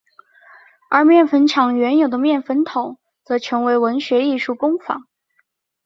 而面粉厂原有的面粉筒则成为文化艺术工坊。